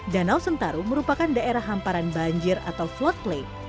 danau sentarung merupakan daerah hamparan banjir atau floodplain